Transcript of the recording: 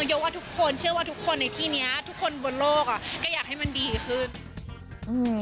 กว่าทุกคนเชื่อว่าทุกคนในที่เนี้ยทุกคนบนโลกอ่ะก็อยากให้มันดีขึ้นอืม